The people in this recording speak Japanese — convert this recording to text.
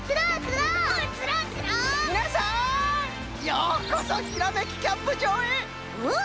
ようこそひらめきキャンプじょうへ！